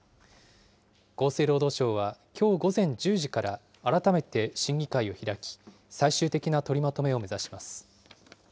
厚生労働省はきょう午前１０時から改めて審議会を開き、最終的な取りまとめを目指します。